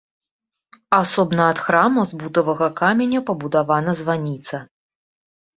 Асобна ад храма з бутавага каменя пабудавана званіца.